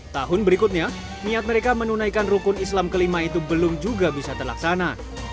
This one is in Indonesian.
tahun berikutnya niat mereka menunaikan rukun islam kelima itu belum juga bisa terlaksana